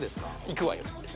いくわよ